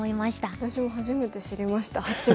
私も初めて知りました８目。